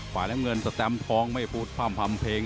ขวายแดงเงินสแตมทองไม่พูดภาพภาพเพลง